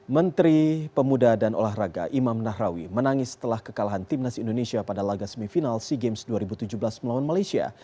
menteri pemuda dan olahraga imam nahrawi menangis setelah kekalahan timnas indonesia pada laga semifinal sea games dua ribu tujuh belas melawan malaysia